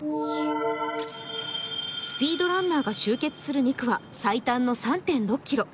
スピードランナーが終結する２区は最短の３．６ｋｍ。